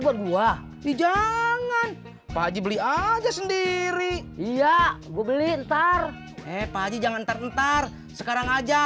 buat gue jangan pak haji beli aja sendiri iya gue beli ntar eh pak haji jangan ntar ntar sekarang aja